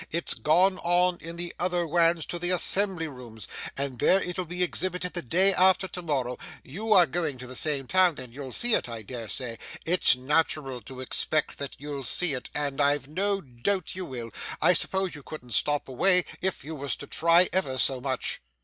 It's gone on in the other wans to the assembly rooms, and there it'll be exhibited the day after to morrow. You are going to the same town, and you'll see it I dare say. It's natural to expect that you'll see it, and I've no doubt you will. I suppose you couldn't stop away if you was to try ever so much.